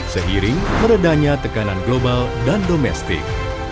seiring meredahnya tekanan global dan domestik